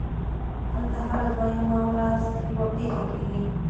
هلته هره دویمه ورځ یوه پېښه کېږي